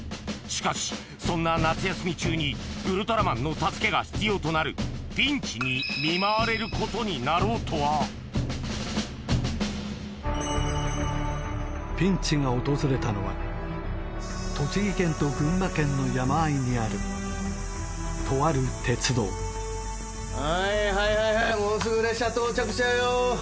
しかしそんな夏休み中にウルトラマンの助けが必要となるピンチに見舞われることになろうとはピンチが訪れたのは栃木県と群馬県の山あいにあるとある鉄道はいはいはいはい。